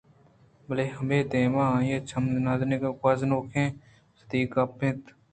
بلے ہمے دمان ءَ آئی ءِ چم نزّیک ءَ گوٛزوکیں صیدے ءَ کپت اَنت ءُ پِر